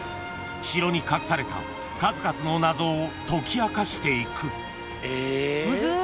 ［城に隠された数々の謎を解き明かしていく］